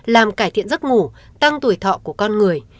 làm cải thiện giấc ngủ tăng tuổi thọ của con người